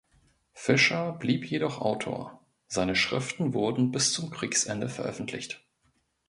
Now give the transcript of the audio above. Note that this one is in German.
Fischer blieb jedoch Autor; seine Schriften wurden bis zum Kriegsende veröffentlicht.